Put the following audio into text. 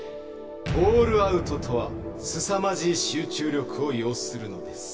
オールアウトとは凄まじい集中力を要するのです。